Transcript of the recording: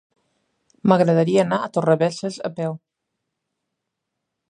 M'agradaria anar a Torrebesses a peu.